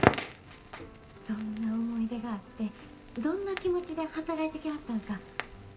どんな思い出があってどんな気持ちで働いてきはったんか